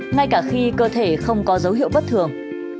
ngay cả khi cơ thể không có dấu hiệu bất thường